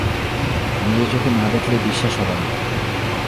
নিজের চোখে না দেখলে বিশ্বাস হবে না।